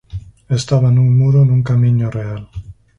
Estaba nun muro nun camiño real.